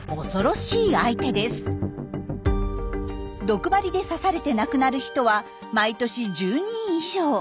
毒針で刺されて亡くなる人は毎年１０人以上。